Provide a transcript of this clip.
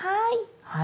はい。